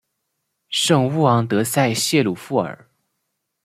圣乌昂德塞谢鲁夫尔。